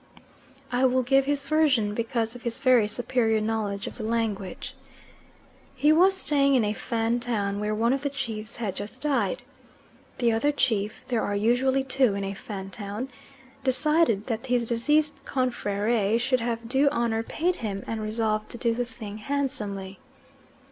I will give his version because of his very superior knowledge of the language. He was staying in a Fan town where one of the chiefs had just died. The other chief (there are usually two in a Fan town) decided that his deceased confrere should have due honour paid him, and resolved to do the thing handsomely.